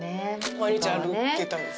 毎日歩いてたんです？